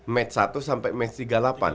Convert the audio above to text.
match satu sampai match tiga puluh delapan